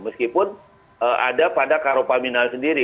meskipun ada pada karopaminal sendiri